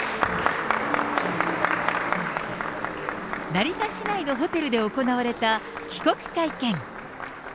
成田市内のホテルで行われた、帰国会見。